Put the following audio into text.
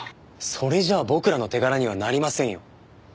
それじゃあ僕らの手柄にはなりませんよ。